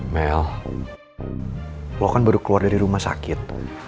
mel lo kan baru keluar dari rumah sakit